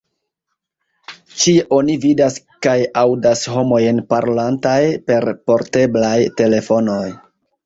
Ĉie oni vidas kaj aŭdas homojn parolantaj per porteblaj telefonoj.